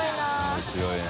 面白いね。